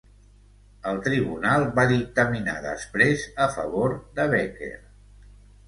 El tribunal va dictaminar després a favor de Becker.